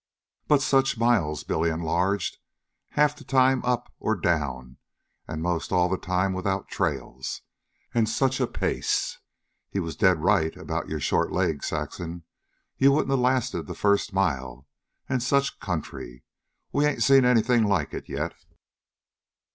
"But such miles!" Billy enlarged. "Half the time up or down, an' 'most all the time without trails. An' such a pace. He was dead right about your short legs, Saxon. You wouldn't a lasted the first mile. An' such country! We ain't seen anything like it yet."